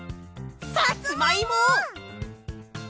さつまいも！